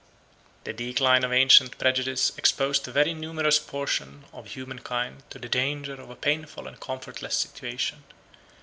The decline of ancient prejudice exposed a very numerous portion of human kind to the danger of a painful and comfortless situation.